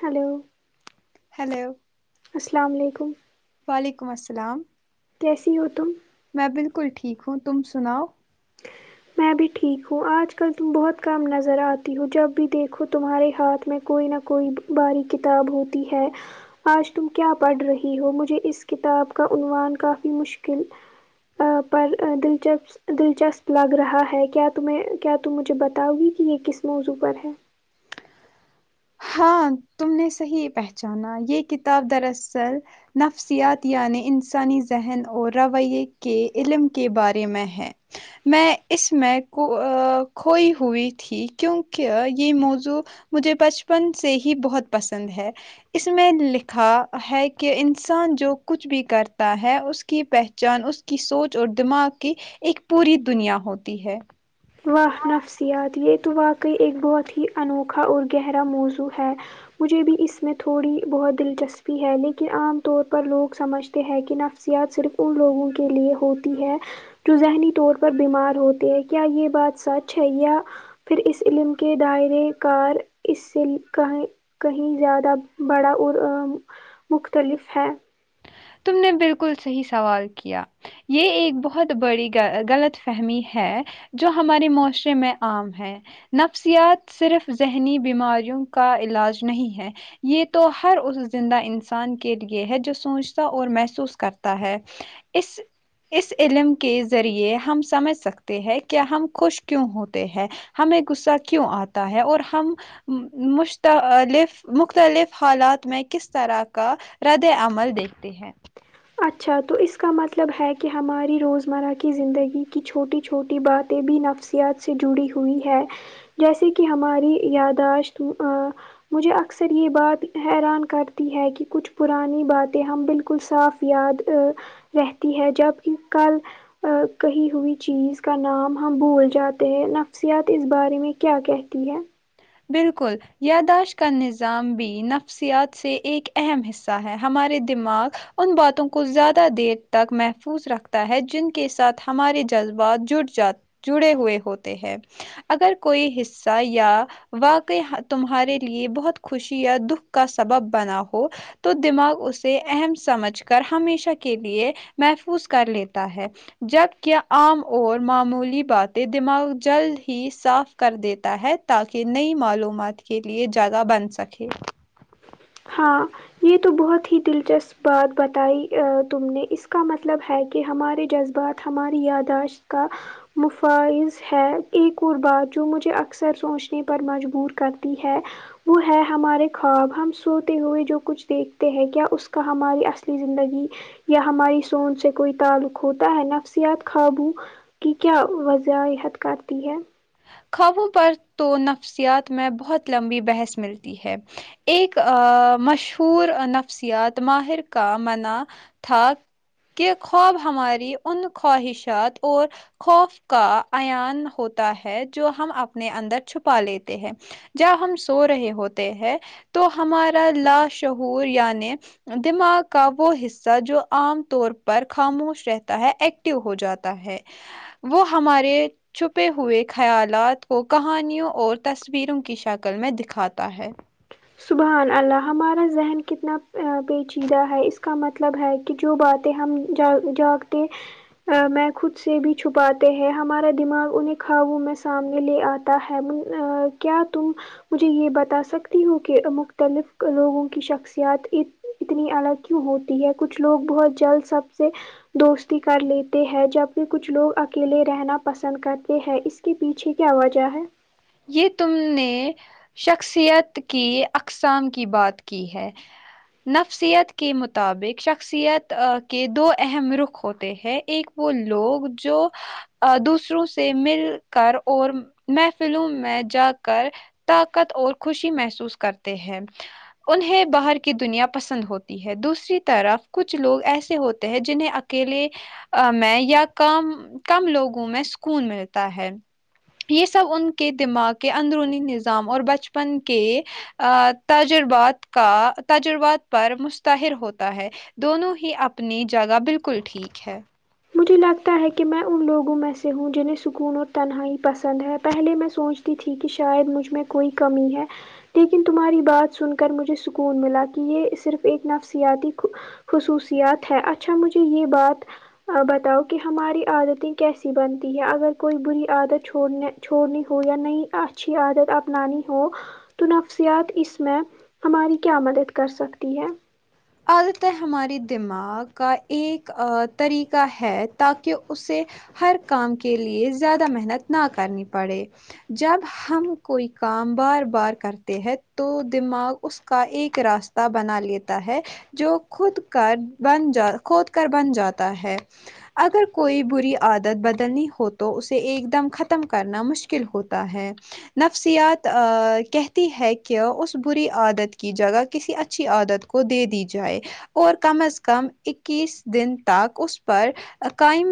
hello hello السلام و علیکم وعلیکم اسلام کیسی ہو تم میں بالکل ٹھیک ہوں تم سناؤ ہ [inaudible] میں بھی ٹھیک ہوں آج کل تم بہت کم نظر آتی ہو جب بھی دیکھو تمہارے ہاتھ میں کوئی نہ کوئی باری کتاب ہوتی ہے آج تم کیا پڑھ رہی ہو مجھے اس کتاب کا عنوان کافی مشکل آ پر دلچپس دلچسپ لگ رہا ہے کیا تمہیں کیا تم مجھے بتاؤ گی کہ یہ کس موضوع پر ہے ہاں تم نے صحیح پہچانا یہ کتاب دراصل نفسیات یعنی انسانی ذہن اور رویے کے علم کے بارے میں ہے میں اس میں کھوئی ہوئی تھی کیونکہ یہ موضوع مجھے بچپن سے ہی بہت پسند ہے اس میں لکھا ہے کہ انسان جو کچھ بھی کرتا ہے اس کی پہچان اس کی سوچ اور دماغ کی ایک پوری دنیا ہوتی ہے واہ نفسیات یہ تو واقعی ایک بہت ہی انوکھا اور گہرا موضوع ہے مجھے بھی اس میں تھوڑی بہت دلچسپی ہے لیکن عام طور پر لوگ سمجھ تے ہے کہ نفسیات صرف ان لوگوں کے لیے ہوتی ہے جو ذہنی طور پر بیمار ہوتے ہیں کیا یہ بات سچ ہے یا پھر اس علم کے دائرے کار اس سے کہیں کہیں زیادہ بڑا اور مختلف ہے تم نے بالکل صحیح سوال کیا یہ ایک بہت بڑی غلط فہمی ہے جو ہمارے معاشرے میں عام ہے نفسیات صرف ذہنی بیماریوں کا علاج نہیں ہے یہ تو ہر اس زندہ انسان کے لے ہے جو سوچ تا اور محسوس کرتا ہے اس اس علم کے ذریعے ہم سمجھ سکتے ہیں کہ ہم خوش کیوں ہوتے ہیں ہمیں غصہ کیوں آتا ہے اور ہم مش تا لف مختلف حالات میں کس طرح کا رد عمل دیکھتے ہیں اچھا تو اس کا مطلب ہے کہ ہماری روزمرہ کی زندگی کی چھوٹی چھوٹی باتیں بھی نفس یات سے جڑی ہوئی ہے جیسے کہ ہماری یادداشت آں مجھے اکثر یہ بات حیران کرتی ہے کہ کچھ پرانی باتیں ہم بالکل صاف یاد رہتی ہے جبکہ کل کہی ہوئی چیز کا نام ہم بھول جاتے ہیں نفسیات اس بارے میں کیا کہتی ہے بالکل یادداشت کا نظام بھی نفسیات سے ایک اہم حصہ ہے ہمارے دماغ ان باتوں کو زیادہ دیر تک محفوظ رکھتا ہے جن کے ساتھ ہمارے جذبات جوڈھ جاتے جڑے ہوئے ہوتے ہیں اگر کوئی حصہ یا واقعی ہا تمہارے لیے بہت خوشی یا دکھ کا سبب بنا ہو تو دماغ اسے اہم سمجھ کر ہمیشہ کے لیے محفوظ کر لیتا ہے جب کا عام اور معمولی باتیں دماغ جلد ہی صاف کر دیتا ہے تاکہ کہ نئی معلومات کے لیے جگہ بن سکے ہاں یہ تو بہت ہی دلچسپ بات بتائی تم نے اس کا مطلب ہے کہ ہمارے جذبات ہماری یادداشت کا مفائذ ہے ایک اور بات جو مجھے اکثر سوچنے پر مجبور کرتی ہے وہ ہے ہمارے خواب ہم سوتے ہوئے جو کچھ دیکھتے ہیں کیا اس کا ہماری اصلی زندگی یا ہماری سوچ سے کوئی تعلق ہوتا ہے نفسیات قابو کی کیا وضاحت کرتی ہے خوابوں پر تو نفسیات میں بہت لمبی بحث ملتی ہے ایک آ مشہور نفسیات ماہر کا منع تھا کہ خواب ہماری ان خواہشات اور خوف کا ایان ہوتا ہے جو ہم اپنے اندر چھپا لیتے ہیں جب ہم سو رہے ہوتے ہیں تو ہمارا لا شہور یعنے دماغ کا وہ حصہ جو عام طور پر خاموش رہتا ہے ایک ٹو ہو جاتا ہے وہ ہمارے چھپے ہوئے خیالات کو کہانیوں اور تصویروں کی شکل میں دکھاتا ہے سبحان اللہ ہمارا ذہن کتنا پیچیدہ ہے اس کا مطلب ہے کہ جو باتیں ہم جا جاگتے میں خود سے بھی چھپاتے ہیں ہمارا دماغ انہیں خوابوں میں سامنے لے آ تا ہے کیا تم مجھے یہ بتا سکتی ہو کے مختلف لوگوں کی شخصیات عید اتنی الگ کیوں ہوتی ہے کچھ لوگ بہت جلد سب سے دوستی کر لیتے ہے جبکہ کچھ لوگ اکیلے رہنا پسند کرتے ہیں اس کے پیچھے کیا وجہ ہے یہ تم نے شخصیت کی اقسام کی بات کی ہے نفسیات کے مطابق شخصیت کے دو اہم رخ ہوتے ہیں ایک وہ لوگ جو آ دوسروں سے مل کر اور میں فلم میں جا کر طاقت اور خوشی محسوس کرتے ہیں انہیں باہر کی دنیا پسند ہوتی ہے دوسری طرف کچھ لوگ ایسے ہوتے ہیں جنہیں اکیلے میں یا کم کم لوگوں میں سکون ملتا ہے یہ سب ان کے دماغ کے اندرونی نظام اور بچپن کے آ تجربات کا تجربات پر مستاہر ہوتا ہے دونوں ہی اپنی جگہ بالکل ٹھیک ہے مجھے لگتا ہے کہ میں ان لوگوں میں سے ہوں جنہیں سکون اور تنہائی پسند ہے پہلے میں سوچتی تھی کہ شاید مجھ میں کوئی کمی ہے لیکن تمہاری بات سن کر مجھے سکون ملا کہ یہ صرف ایک نفسیاتی کھو خصوصیات ہے اچھا مجھے یہ بات بت کہ ہماری عادتیں کیسی بنتی ہیں اگر کوئی بری عادت چھوڑنی چھوڑنے ہو یا نہیں اچھی عادت اپنانی ہو تو نفسیات اس میں ہماری کیا مدد کر سکتی ہے عادتیں ہماری دماغ کا ایک آ طریقہ ہے تا کہ اسے ہر کام کے لیے زیادہ محنت نہ کرنی پڑے جب ہم کوئی کام بار بار کرتے ہیں تو دماغ اس کا ایک راس تہ بنا لیتا ہے جو خود کر بن جا کھود کر بن جاتا ہے اگر کوئی بری عادت بدلنی ہو تو اسے ایک دم ختم کرنا مشکل ہوتا ہے نفسیات آ کہتی ہے کہ اس بری عادت کی جگہ کسی ا چھی عادت کو دے دی جائے اور کم از کم اکیس دن تک اس پر قائم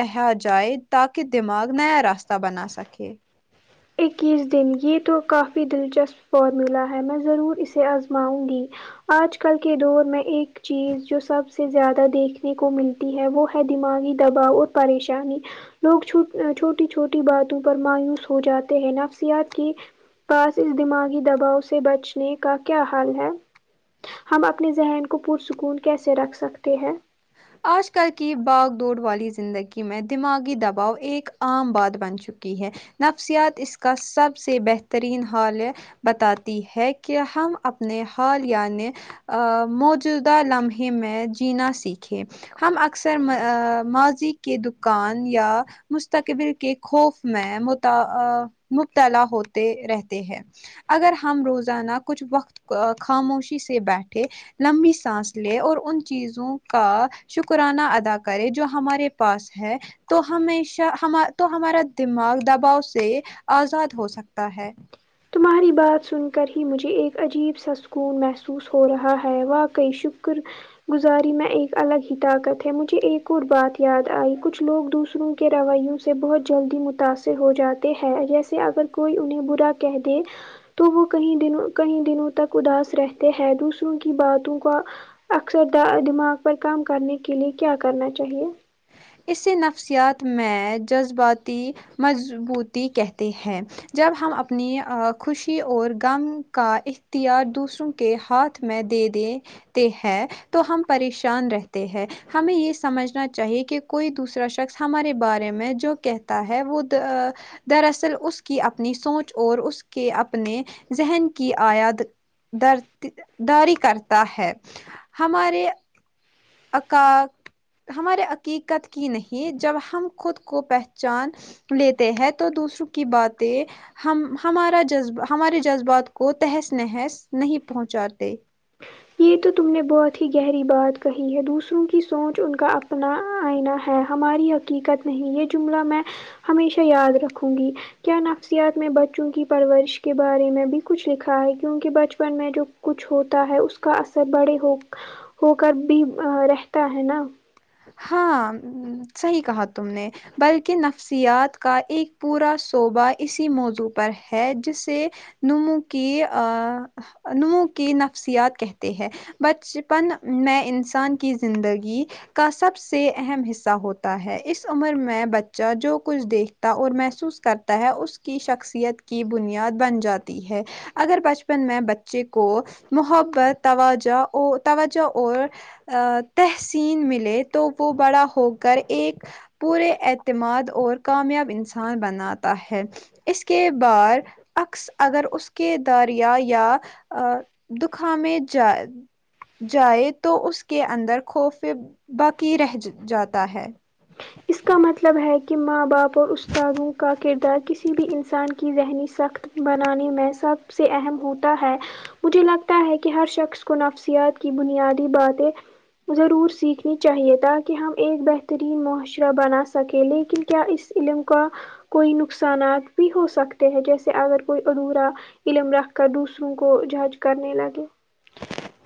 رہا جائے تاکہ دماغ نیا راستہ بنا سکے اکیس دن یہ تو کافی دلچسپ فارمولہ ہے میں ضرور اسے آزماؤں گی آج کل کے دور میں ایک چیز جو سب سے زیادہ دیکھنے کو مل تی ہے وہ ہے دماغی دباؤ اور پریشانی لوگ چ چھوٹی چھوٹی باتوں پر مایوس ہو جاتے ہیں نفسیات کی پاس اس دماغی دباؤ سے بچنے کا کیا حل ہے ہم اپنے ذہن کو پرسکون کیسے رکھ سکتے ہیں آج کل کی باگ دوڑ والی زندگی میں دماغی دباؤ ایک عام بات بن چکی ہے نفسیات اس کا سب سے بہترین حل ہے بتاتی ہے کہ ہم اپنے حال یعنی موجودہ لمحے میں جینا سیکھ یں ہم اکثر م ماضی کے دکان یا مستقبل کے خوف میں متا مبتلا ہوتے رہتے ہیں اگر ہم روزانہ کچھ وقت ا خاموشی سے بیٹھے لمبی سانس لے اور ان چیزوں کا شکرانہ ادا کرے جو ہمارے پاس ہے تو ہمیشہ ہما تو ہمارا دماغ دباؤ سے آزاد ہو سکتا ہے تمہاری بات سن کر ہی مجھے ایک عجیب سا سکون محسوس ہو رہا ہے واقعی شکر گزاری میں ایک الگ ہی طاقت ہے مجھے ایک اور بات یاد آئی کچھ لوگ دوسروں کے رویوں سے بہت جلدی متاثر ہو جاتے ہیں جیسے اگر کوئی انہیں برا کہہ دے تو وہ کہیں دنوں کہیں دنوں تک اداس رہتے ہیں دوسروں کی باتوں کا اکثر دا دماغ پر کام کرنے کے لیے کیا کرنا چاہیے اسے نفسیات میں جذباتی مضبوطی کہتے ہیں جب ہم اپنی آ خوشی اور غم کا اختیار دوسروں کے ہاتھ میں دے دے تے ہے تو ہم پریشان رہتے ہیں ہمیں یہ سمجھنا چاہیے کہ کوئی دوسرا شخص ہمارے بارے میں جو کہتا ہے وہ دا آ دراصل اس کی اپنی سوچ اور اس کے اپنے ذہن کی آیاد درت داری کرتا ہے ہمارے عکا ہمارے حقیقت کی نہیں جب ہم خود کو پہچان لیتے ہیں تو دوسروں کی باتیں ہم ہمارا جذب ہمارے جذبات کو تہس نہس نہیں پہنچاتے یہ تو تم نے بہت ہی گہری بات کہی ہے دوسروں کی سوچ ان کا اپنا آئینہ ہے ہماری حقیقت نہیں یہ جملہ میں ہمیشہ یاد رکھوں گی کیا نفسیات میں بچوں کی پرورش کے بارے میں بھی کچھ لکھا ہے کیونکہ بچپن میں جو کچھ ہوتا ہے اس کا اثر بڑے ہو ہو کر بھی رہتا ہے نا ہاں صحیح کہا تم نے بلکہ نفسیات کا ایک پورا صوبہ اسی موضوع پر ہے جس سے نمو کی نمو کی نفسیات کہتے ہیں بچپن میں انسان کی زندگی کا سب سے اہم حصہ ہوتا ہے اس عمر میں بچہ جو کچھ دیکھ تا اور محسوس کرتا ہے اس کی شخصیت کی بنیاد بن جاتی ہے اگر بچپن میں بچے کو محبت توجہ توجہ اور تحسین ملے تو وہ بڑا ہو کر ایک پورے اعتماد اور کامیاب انسان بناتا ہے اس کے بار اکس اگر اس کے داریا یا ا دکھامے جائے جائے تو اس کے اندر خوفے باقی رہ جاتا ہے اس کا مطلب ہے کہ ماں باپ اور استادوں کا کردار کسی بھی انسان کی ذہنی سخت بنانے میں سب سے اہم ہوتا ہے مجھے لگتا ہے کہ ہر شخص کو نفسیات کی بنیادی باتیں ضرور سیکھنی چاہیے تاکہ ہم ایک بہترین معاش رہ بنا سکے لیکن کیا اس علم کا کوئی نقصانات بھی ہو سکتے ہیں جیسے اگر کوئی ادھورا علم رکھ کر دوسروں کو جہج کرنے لگے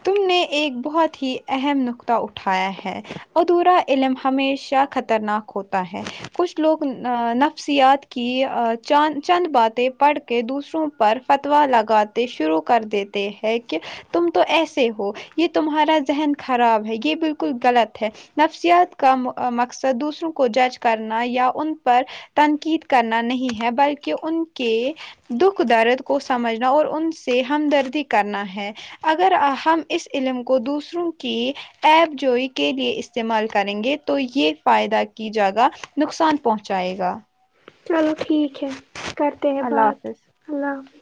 تم نے ایک بہت ہی اہم نقطہ اٹھایا ہے ادھورا علم ہمیشہ خطرناک ہوتا ہے کچھ لوگ نفسیات کی چاند چند باتیں پڑھ کے دوسروں پر فتوا لگاتے شروع کر دیتے ہیں کہ تم تو ایسے ہو یہ تمہارا ذہن خراب ہے یہ بالکل غلط ہے نفسیات کا مقصد دوسروں کو جج کرنا یا ان پر تنقید کرنا نہیں ہے بلکہ ان کے دکھ درد کو سمجھنا اور ان سے ہمدردی کرنا ہے اگر ہم اس علم کو دوسروں کی ایپ جوئی کے لیے استعمال کریں گے تو یہ فائدہ کی جگہ نقصان پہنچائے گا چلو ٹھیک ہے کرتے ہیں اللہ بات حافظ اللہ حافظ